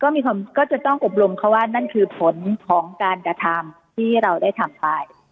ก็มีความก็จะต้องอบรมเขาว่านั่นคือผลของการกระทำที่เราได้ทำไป